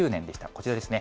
こちらですね。